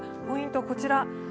ポイント、こちら。